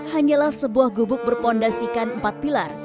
hanyalah sebuah gubuk berpondasikan empat pilar